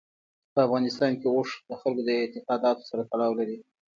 په افغانستان کې اوښ د خلکو د اعتقاداتو سره تړاو لري.